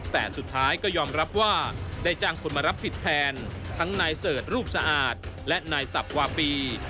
แต่สุดท้ายก็ยอมรับว่าได้จ้างคนมารับผิดแทนทั้งนายเสิร์ชรูปสะอาดและนายสับวาปี